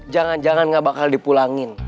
jangan jangan nggak bakal dipulangin